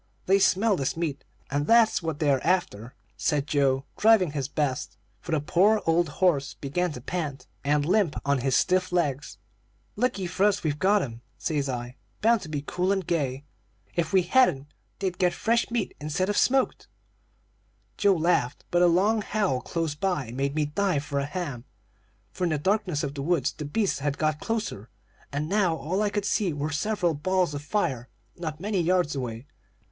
They smell this meat, and that's what they are after,' said Joe, driving his best, for the poor old horse began to pant, and limp on his stiff legs. "'Lucky for us we've got 'em,' says I, bound to be cool and gay; 'if we hadn't, they'd get fresh meat instead of smoked.' "Joe laughed, but a long howl close by made me dive for a ham; for in the darkness of the woods the beasts had got closer, and now all I could see were several balls of fire not many yards away.